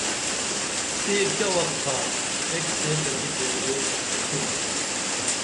سے کیہ وخ تھا ایک سیکہ کی پیرزو تُھمہ تا